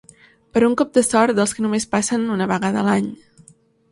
Per un cop de sort dels que només passen una vegada l'any